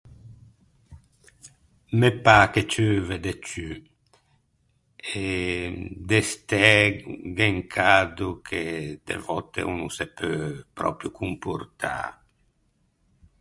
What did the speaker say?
Me pâ che ceuve de ciù e de stæ gh’é un cado che de vòtte o no se peu pròpio comportâ.